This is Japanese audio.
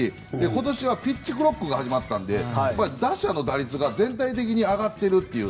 今年はピッチクロックが始まったので打者の打率が全体的に上がっているという。